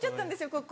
ここ。